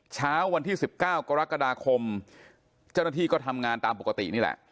เช้าวันที่๑๙กรกฎาคมเจ้าหน้าที่ก็ทำงานตามปกตินี่แหละ